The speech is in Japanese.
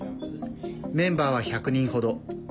メンバーは１００人程。